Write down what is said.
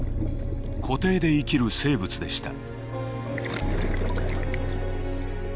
湖底で生きる生物でした。